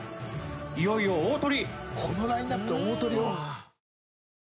いよいよ大トリ。